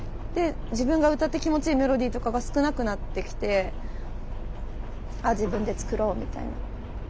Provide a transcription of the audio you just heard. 自分が歌って気持ちいいメロディーとかが少なくなってきてあっ自分で作ろうみたいな。